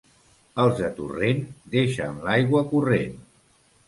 Els de Torrent deixen l'aigua corrent.